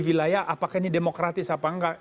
wilayah apakah ini demokratis apa enggak